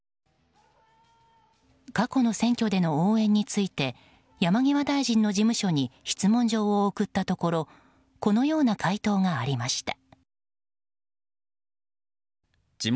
過去の選挙での応援について山際大臣の事務所に質問状を送ったところこのような回答がありました。